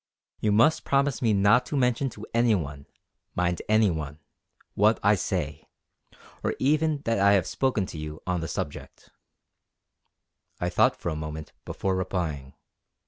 You must promise me not to mention to any one, mind any one, what I say; or even that I have spoken to you on the subject." I thought for a moment before replying.